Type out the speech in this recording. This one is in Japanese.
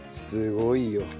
すごいよ。